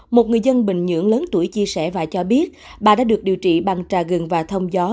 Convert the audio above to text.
một người dân bình nhưỡng lớn tuổi chia sẻ và cho biết bà đã được điều trị bằng trà gần và thông gió